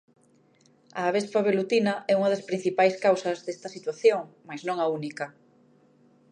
A Avespa Velutina é unha das principais causas desta situación mais non a única.